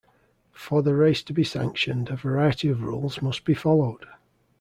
For the race to be sanctioned, a variety of rules must be followed.